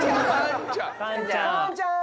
カンちゃん！